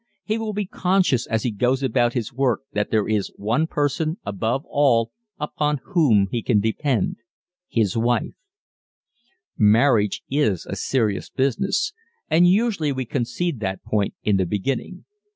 He will be conscious as he goes about his work that there is one person above all upon whom he can depend his wife. Marriage is a serious business and usually we concede that point in the beginning.